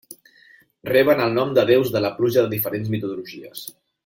Reben el nom de déus de la pluja de diferents mitologies.